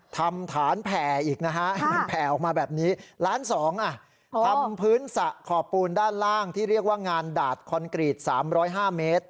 ทำฐานแผ่อีกนะฮะมันแผ่ออกมาแบบนี้ล้านสองอ่ะทำพื้นสระขอบปูนด้านล่างที่เรียกว่างานดาดคอนกรีต๓๐๕เมตร